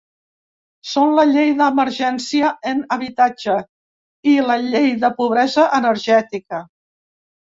Són la llei d’emergència en habitatge i la llei de pobresa energètica.